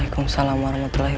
aku percaya padamu jaka